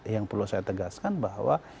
yang perlu saya tegaskan bahwa